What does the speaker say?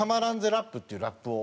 ラップっていうラップを。